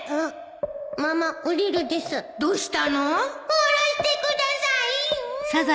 下ろしてください！うう